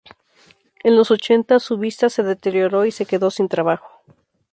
En los ochenta, su vista se deterioró y se quedó sin trabajo.